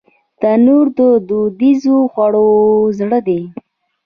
تنور د دودیزو خوړو زړه دی